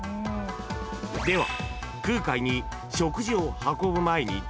［では］